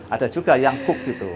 ada juga yang hook gitu